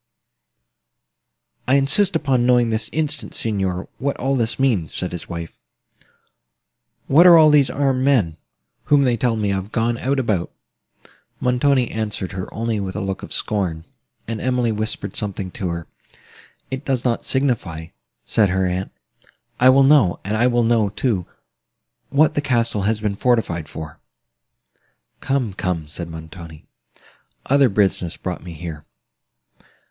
"I insist upon knowing this instant, Signor, what all this means:" said his wife—"what are all these armed men, whom they tell me of, gone out about?" Montoni answered her only with a look of scorn; and Emily whispered something to her. "It does not signify," said her aunt: "I will know; and I will know, too, what the castle has been fortified for." "Come, come," said Montoni, "other business brought me here.